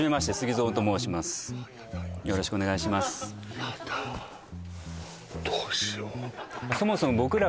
ヤダどうしよう